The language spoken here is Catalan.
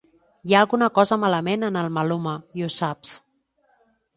I ha alguna cosa malament en el Maluma i ho saps.